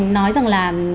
nói rằng là